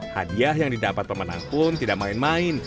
hadiah yang didapat pemenang pun tidak main main